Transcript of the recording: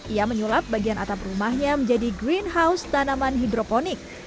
ia menyulap bagian atap rumahnya menjadi greenhouse tanaman hidroponik